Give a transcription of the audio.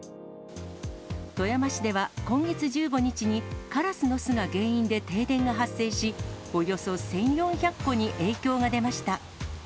富山市では今月１５日に、カラスの巣が原因で停電が発生し、およそ１４００戸に影響が出ました。